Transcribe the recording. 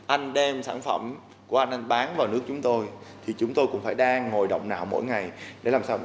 anh đem sản phẩm của anh anh bán vào nước chúng tôi thì chúng tôi cũng phải đang ngồi động não mỗi ngày để làm sao